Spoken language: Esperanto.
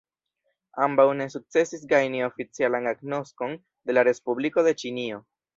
Ambaŭ ne sukcesis gajni oficialan agnoskon de la respubliko de Ĉinio.